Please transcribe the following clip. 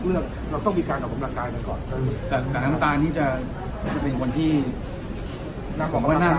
เมื่อวันระคารเขารับนัดตัวเช้าน้้ำตาลเขาต้องไปถือเช้า